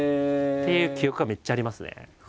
という記憶がめっちゃありますね。